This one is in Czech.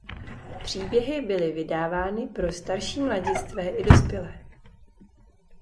Příběhy byly vydávány pro starší mladistvé i dospělé.